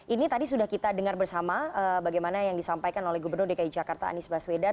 ini tadi sudah kita dengar bersama bagaimana yang disampaikan oleh gubernur dki jakarta anies baswedan